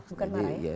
bukan marah ya